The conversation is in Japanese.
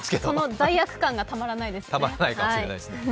その罪悪感がたまらないですね。